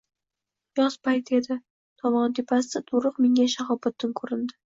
Yoz payti edi. Dovon tepasida toʼriq mingan Shahobiddin koʼrindi.